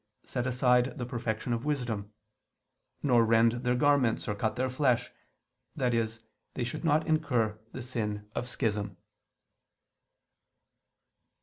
set aside the perfection of wisdom; nor rend their garments or cut their flesh, i.e. they should not incur the sin of schism.